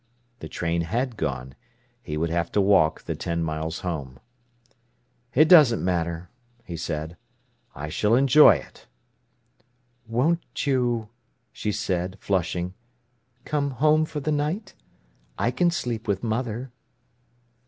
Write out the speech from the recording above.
The train had gone. He would have to walk the ten miles home. "It doesn't matter," he said. "I shall enjoy it." "Won't you," she said, flushing, "come home for the night? I can sleep with mother."